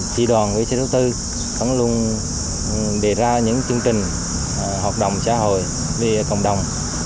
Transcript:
tri đoàn nguyễn chí thúc tư vẫn luôn đề ra những chương trình hợp đồng xã hội về cộng đồng